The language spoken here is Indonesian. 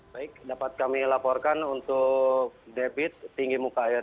baik dapat kami laporkan untuk debit tinggi muka air